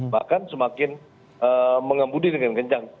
bahkan semakin mengembudi dengan kencang